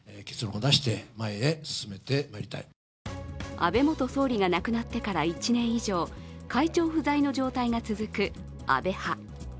安倍元総理が亡くなってから１年以上、会長不在の状態が続く安倍派。